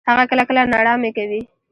هغه کله کله ناړامي کوي.